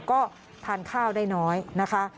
ก็ทานข้าวได้น้อยนะคะ